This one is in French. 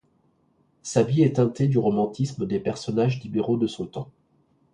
Sa vie est teintée du romantisme des personnages libéraux de son temps.